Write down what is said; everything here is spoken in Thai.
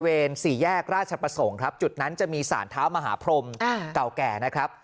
สี่แยกราชประสงค์ครับจุดนั้นจะมีสารเท้ามหาพรมเก่าแก่นะครับ